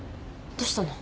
どうしたの？